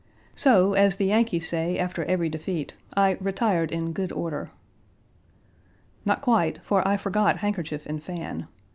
So, as the Yankees say after every defeat, I "retired in good order." Not quite, for I forgot handkerchief and fan.